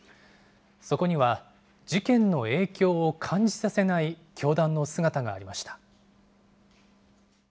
そこには事件の影響を感じさせない教団の姿がありました。